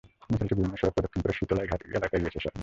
মিছিলটি বিভিন্ন সড়ক প্রদক্ষিণ করে শিতলাই ঘাট এলাকায় গিয়ে শেষ হয়।